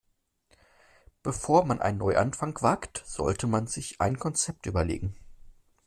Bevor man einen Neuanfang wagt, sollte man sich ein Konzept überlegen.